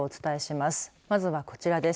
まずは、こちらです。